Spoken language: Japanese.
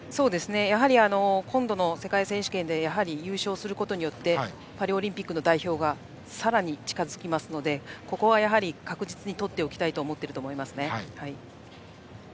やはり今度の世界選手権で優勝することでパリオリンピックの代表がさらに近づきますのでここは確実にとっておきたいと思っていると思います。